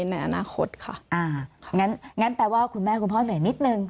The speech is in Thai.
ในอนาคตค่ะอ่างั้นงั้นแปลว่าคุณแม่คุณพ่อเหนื่อยนิดนึง